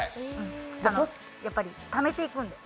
やっぱりためていくので。